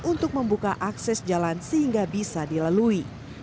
untuk membuka akses jalan sehingga bisa dilalui